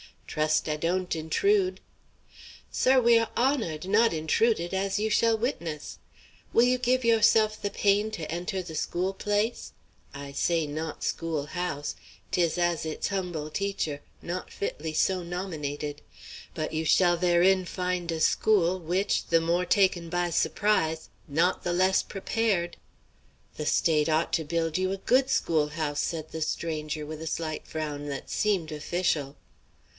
"Trust I don't intrude?" "Sir, we are honored, not intruded, as you shall witness. Will you give yourself the pain to enter the school place? I say not schoolhouse; 'tis, as its humble teacher, not fitly so nominated. But you shall therein find a school which, the more taken by surprise, not the less prepared." "The State ought to build you a good schoolhouse," said the stranger, with a slight frown that seemed official.